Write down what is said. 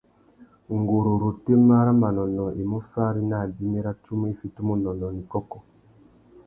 Nguru râ otémá râ manônōh i mú fári nà abimî râ tsumu i fitimú unônōh nà ikôkô.